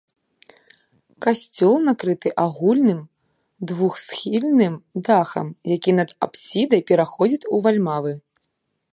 Касцёл накрыты агульным двухсхільным дахам, які над апсідай пераходзіць у вальмавы.